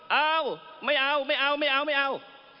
เอาไม่เอาไม่เอาไม่เอาไม่เอา